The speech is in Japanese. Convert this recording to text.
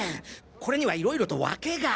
これにはいろいろとワケが！